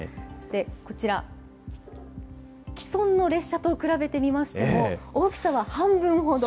こちら、既存の列車と比べてみましても、大きさは半分ほど。